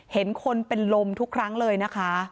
เห็นคนเป็นลมทุกครั้งเลยนะคะ